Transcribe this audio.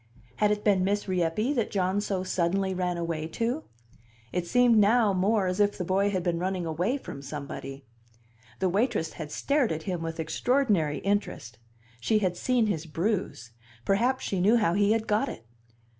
Had it been Miss Rieppe that John so suddenly ran away to? It seemed now more as if the boy had been running away from somebody. The waitress had stared at him with extraordinary interest; she had seen his bruise; perhaps she knew how he had got it.